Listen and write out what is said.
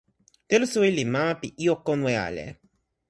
telo suli li mama pi ijo konwe ale.